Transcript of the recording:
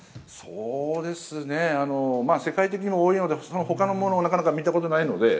そうですねぇ、世界的にも多いので、ほかのものをなかなか見たことないので。